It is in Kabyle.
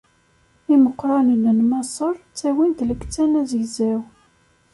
Imeqqranen n Maṣer ttawin-d lkettan azegzaw.